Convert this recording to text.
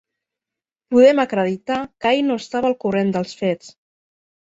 Podem acreditar que ell no estava al corrent dels fets.